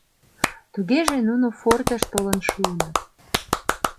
— Тугеже нуно фортыш толын шуыныт!..